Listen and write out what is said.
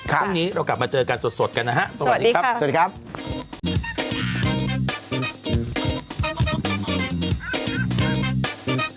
คราวนี้เรากลับมาเจอกันสดกันนะฮะ